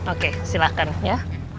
oke silakan ya